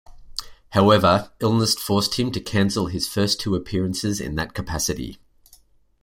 However, illness forced him to cancel his first two appearances in that capacity.